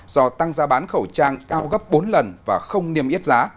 do tăng giá bán khẩu trang cao gấp bốn lần và không niêm yết giá